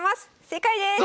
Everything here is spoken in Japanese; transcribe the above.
正解です！